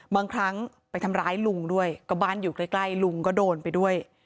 บางครั้งไปทำร้ายลุงด้วยก็บ้านอยู่ใกล้ลุงก็โดนไปด้วย